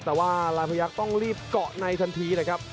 แต่ว่าลายพยักษ์ต้องรีบเกาะในทันทีนะครับ